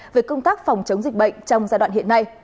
về công tác phòng chống dịch bệnh trong giai đoạn hiện nay